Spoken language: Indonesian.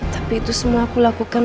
tapi itu semua aku lakukan